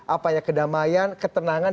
apa ya kedamaian ketenangan